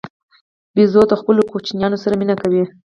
بیزو د خپلو کوچنیانو سره مینه کوي.